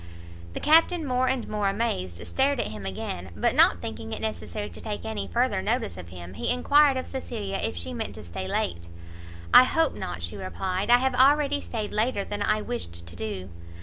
The Captain, more and more amazed, stared at him again, but not thinking it necessary to take any further notice of him, he enquired of Cecilia if she meant to stay late. "I hope not," she replied, "I have already stayed later than I wished to do."